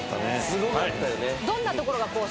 すごかったよね。